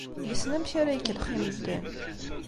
Yessen amek ara ikellex i medden.